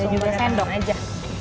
dan juga sendok aja